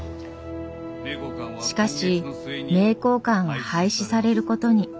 しかし名教館は廃止されることに。